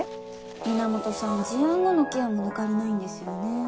源さん事案後のケアも抜かりないんですよね。